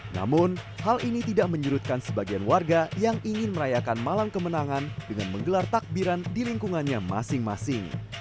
namun hal ini tidak menyerutkan sebagian warga yang ingin merayakan malam kemenangan dengan menggelar takbiran di lingkungannya masing masing